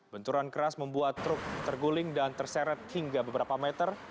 benturan keras membuat truk terguling dan terseret hingga beberapa meter